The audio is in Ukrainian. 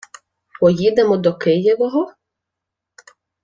— Поїдемо до Києвого?